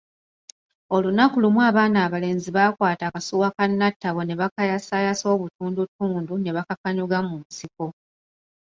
Olunaku lumu abaana abalenzi bakwaata akasuwa ka Natabo ne bakayasayasa obutundutundu ne bakakanyuga mu nsiko.